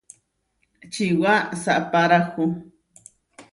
Čiwá saʼpárahu.